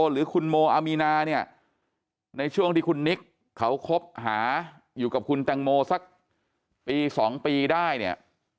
หรือคุณโมอามีนาเนี่ยในช่วงที่คุณนิกเขาคบหาอยู่กับคุณแตงโมสักปี๒ปีได้เนี่ย